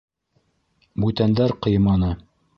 Бүтәндәр ҡыйманы.